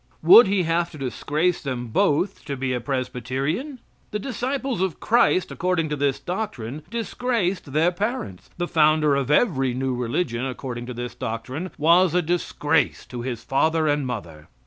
Would he have to disgrace them both to be a Presbyterian. The disciples of Christ, according to this doctrine, disgraced their parents. The founder of every new religion, according to this doctrine, was a disgrace to his father and mother.